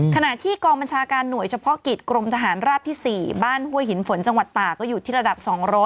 ขณะที่กองบัญชาการหน่วยเฉพาะกิจกรมทหารราบที่๔บ้านห้วยหินฝนจังหวัดตากก็อยู่ที่ระดับ๒๐๐